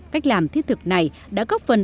cách làm thiết thực này đã góp phần